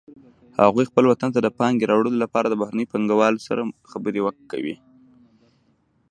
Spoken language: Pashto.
هغوی خپل وطن ته د پانګې راوړلو لپاره د بهرنیو پانګوالو سره خبرې کوي